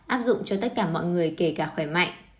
áp dụng cho tất cả mọi người kể cả khỏe mạnh